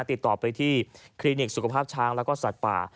ติดต่อไปที่คลินิกสุขภาพช้างแล้วก็สัตว์ป่า